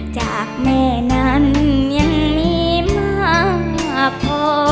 จากแม่นั้นยังมีมากพอ